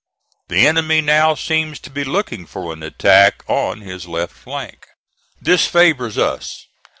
The enemy now seems to be looking for an attack on his left flank. This favors us.